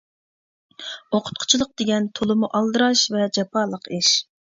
ئوقۇتقۇچىلىق دېگەن تولىمۇ ئالدىراش ۋە جاپالىق ئىش.